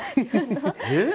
えっ？